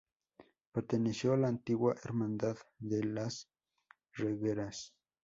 Perteneció a la antigua Hermandad de las Regueras.